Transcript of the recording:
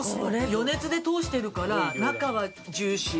余熱で通してるから中はジューシー。